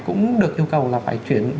cũng được yêu cầu là phải chuyển